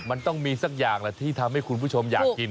มันต้องมีสักอย่างแหละที่ทำให้คุณผู้ชมอยากกิน